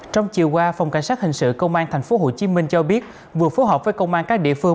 trong chiều qua phòng cảnh sát hình sự công an tp hcm cho biết vừa phối hợp với công an các địa phương